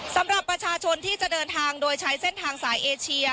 สำหรับประชาชนที่จะเดินทางโดยใช้เส้นทางสายเอเชีย